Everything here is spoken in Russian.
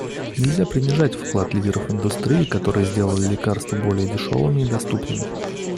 Нельзя принижать вклад лидеров индустрии, которые сделали лекарства более дешевыми и доступными.